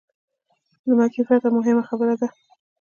د مکې فتح موهمه خبره ده.